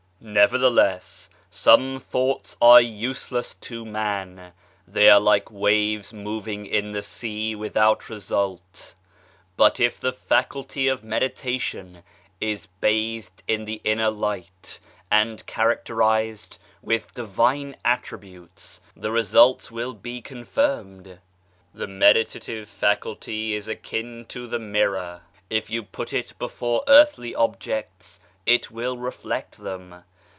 Nevertheless some thoughts are useless to man ; they are like waves moving in the sea without result. But if the faculty of meditation is bathed in the inner light and characterized with divine attributes, the results will be confirmed. The meditative faculty is akin to the mirror ; if you put it before earthly objects it will reflect them.